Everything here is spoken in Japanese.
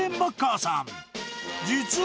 ［実は］